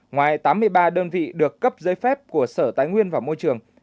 ngoài tám mươi ba đơn vị được cấp giấy phép của sở tài nguyên và môi trường